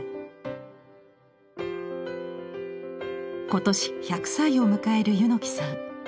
今年１００歳を迎える柚木さん。